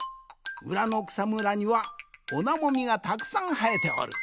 うらのくさむらにはオナモミがたくさんはえておる。